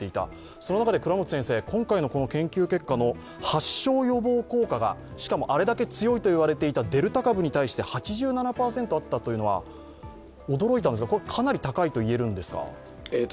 その中で今回の研究結果の発症予防効果が、しかもあれだけ強いと言われていたデルタ株に対して８７％あったというのが驚いたんですが、これはかなり高いといえるんですか。